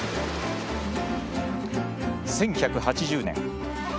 １１８０年。